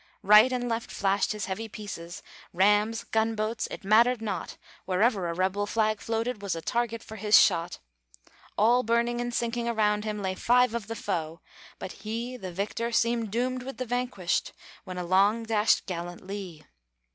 Right and left flashed his heavy pieces, Rams, gunboats it mattered not; Wherever a rebel flag floated Was a target for his shot. All burning and sinking around him Lay five of the foe; but he, The victor, seemed doomed with the vanquished, When along dashed gallant Lee.